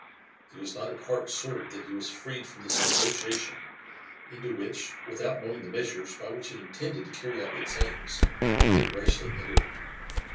He was not at heart sorry that he was freed from this association into which, without knowing the measures by which it intended to carry out its aims, he had rashly entered.